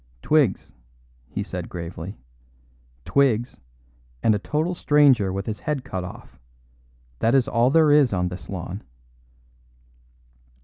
"Twigs," he said gravely; "twigs, and a total stranger with his head cut off; that is all there is on this lawn."